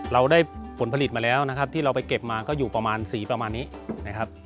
เราได้ผลผลิตมาแล้วนะครับที่เราไปเก็บมาก็อยู่ประมาณสีประมาณนี้นะครับ